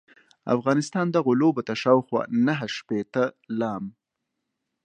افغانستان دغو لوبو ته شاوخوا نهه شپیته ل